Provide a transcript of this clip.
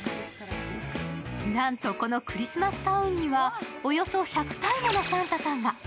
なんとこのクリスマスタウンにはおよそ１００体ものサンタさんが。